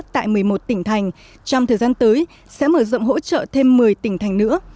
tại một mươi một tỉnh thành trong thời gian tới sẽ mở rộng hỗ trợ thêm một mươi tỉnh thành nữa